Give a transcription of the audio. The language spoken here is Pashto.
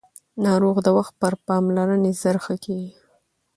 ناروغ د وخت پر پاملرنې ژر ښه کېږي